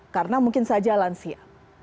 karena mungkin saja lansia